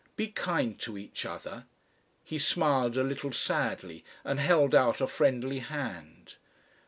Be kind to each other." He smiled a little sadly, and held out a friendly hand.